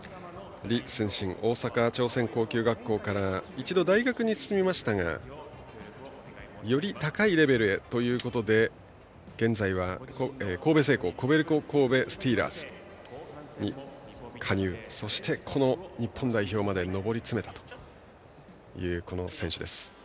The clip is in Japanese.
李承信は大阪朝鮮高級学校から一度大学に進みましたがより高いレベルへということで現在は神戸製鋼コベルコ神戸スティーラーズに加入し、日本代表に上り詰めたという選手です。